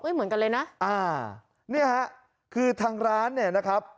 เหมือนกันเลยนะอ่าเนี่ยฮะคือทางร้านเนี่ยนะครับ